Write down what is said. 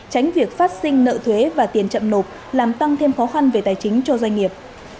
tránh việc phát sinh nợ thuế và tiền chậm nộp làm tăng thêm khó khăn về tài chính cho doanh nghiệp